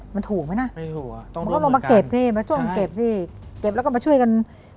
มันถูกไหมนะไม่ถูกมันก็ลงมาเก็บสิมาจ้วงเก็บสิเก็บแล้วก็มาช่วยกัน